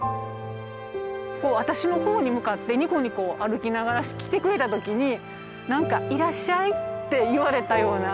私のほうに向かってにこにこ歩きながら来てくれたときに何か「いらっしゃい」って言われたような。